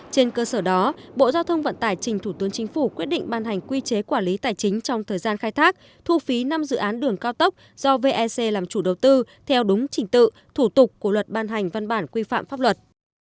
trên cơ sở đó bộ giao thông vận tải trình thủ tướng chính phủ quyết định ban hành quy chế quản lý tài chính trong thời gian khai thác thu phí năm dự án đường cao tốc do vec làm chủ đầu tư theo đúng trình tự thủ tục của luật ban hành văn bản quy phạm pháp luật